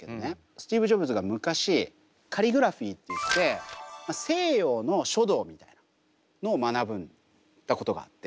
スティーブ・ジョブズが昔カリグラフィーっていって西洋の書道みたいなのを学んだことがあって。